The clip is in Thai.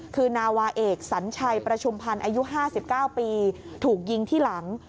คือนาวาเอกสัญชัยประชุมพันธ์อายุ๕๙ปีถูกยิงที่หลัง